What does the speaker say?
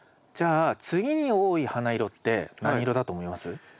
じゃあ次に多い花色って何色だと思います？